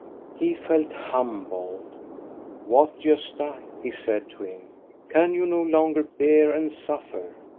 He felt humbled. "What, Gosta," he said to him '," can you no longer bear and suffer